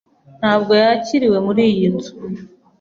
ntabwo yakiriwe muriyi nzu.